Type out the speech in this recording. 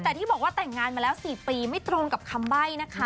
แต่ที่บอกว่าแต่งงานมาแล้ว๔ปีไม่ตรงกับคำใบ้นะคะ